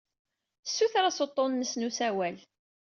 Ssutreɣ-as uḍḍun-nnes n usawal.